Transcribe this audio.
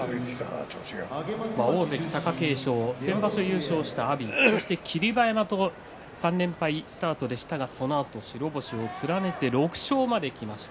大関貴景勝先場所、優勝した阿炎霧馬山と３連敗スタートでしたがそのあと白星をつなげて６勝まできました。